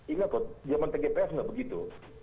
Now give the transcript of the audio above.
ingat zaman pgpf tidak begitu